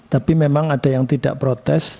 tapi memang ada yang tidak protes